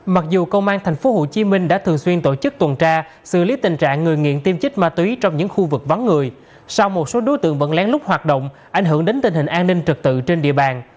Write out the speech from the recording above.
mặc dù công an tp hcm đã thường xuyên tổ chức tuần tra xử lý tình trạng người nghiện tiêm trích ma túy trong những khu vực vắng người sau một số đối tượng vẫn lén lút hoạt động ảnh hưởng đến tình hình an ninh trực tự trên địa bàn